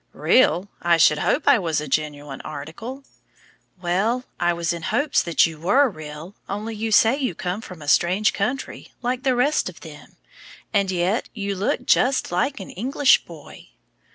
"Real! I should hope I was a genuine article." "Well, I was in hopes that you were real, only you say you come from a strange country, like the rest of them, and yet you look just like an English boy."